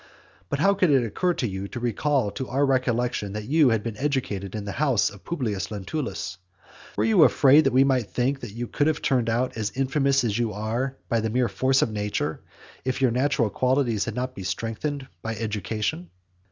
But how could it occur to you to recal to our recollection that you had been educated in the house of Publius Lentulus? Were you afraid that we might think that you could have turned out as infamous as you are by the mere force of nature, if your natural qualities had not been strengthened by education?